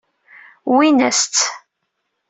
Wwin-as-tt.